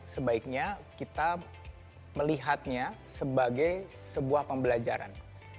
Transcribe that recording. sebaiknya kita melihatnya sebagai sebuah pembelajaran